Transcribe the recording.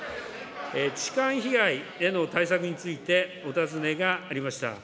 痴漢被害への対策についてお尋ねがありました。